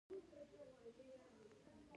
ګوره دغه یې بد کار دی سپی ساتل ښه نه دي.